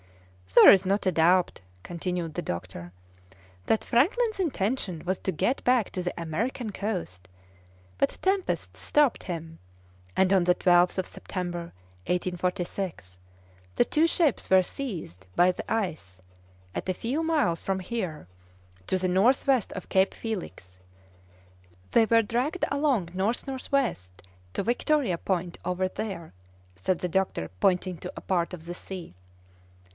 "There is not a doubt," continued the doctor, "that Franklin's intention was to get back to the American coast; but tempests stopped him, and on the 12th September, 1846, the two ships were seized by the ice, at a few miles from here, to the north west of Cape Felix; they were dragged along N.N.W. to Victoria Point over there," said the doctor, pointing to a part of the sea.